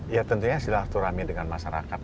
ya tentunya silaturahmi dengan masyarakat